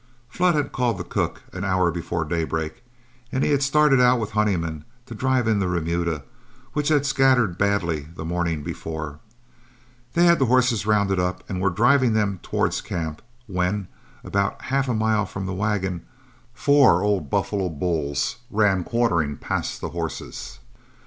Flood had called the cook an hour before daybreak, and he had started out with Honeyman to drive in the remuda, which had scattered badly the morning before. They had the horses rounded up and were driving them towards camp when, about half a mile from the wagon, four old buffalo bulls ran quartering past the horses.